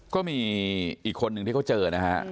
ก็มีอีกคนนึงที่เขาเจอนะฮะ